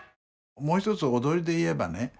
もう一つ踊りで言えばね